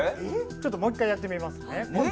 もう一回やってみますね。